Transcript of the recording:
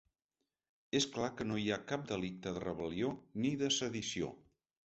És clar que no hi ha cap delicte de rebel·lió ni de sedició.